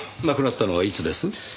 亡くなったのはいつです？